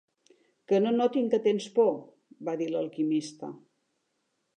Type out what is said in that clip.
"Que no notin que tens por", va dir l'Alquimista.